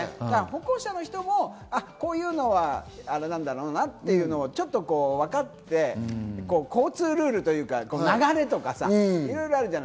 歩行者の人もこういうのはアレなんだろうなっていうのを分かって、交通ルールというか流れとかさ。